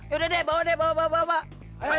ya udah deh bawa deh bawa bawa bawa